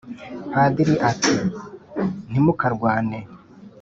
padiri ati " ntimukarwane